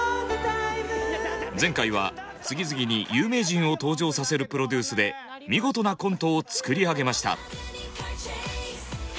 前回は次々に有名人を登場させるプロデュースで見事なコントを作り上げました。